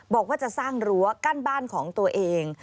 บอกว่าจะสร้างรั้วกั้นบ้านของตัวเอง